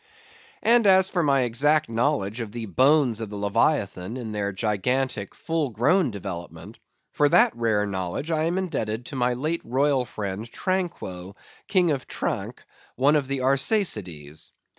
And as for my exact knowledge of the bones of the leviathan in their gigantic, full grown development, for that rare knowledge I am indebted to my late royal friend Tranquo, king of Tranque, one of the Arsacides.